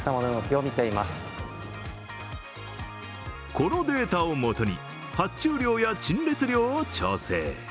このデータを基に発注量や陳列量を調整。